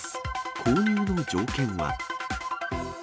購入の条件は？